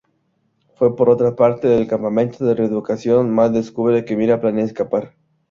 Por otra parte en el campamento de reeducación, Matt descubre que Mira planea escapar.